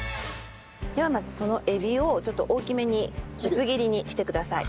ではまずそのエビをちょっと大きめにぶつ切りにしてください。